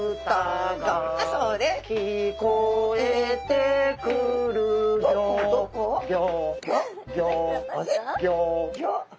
「聞こえてくるよ」